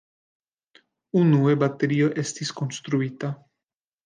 Unue baterio estis konstruita.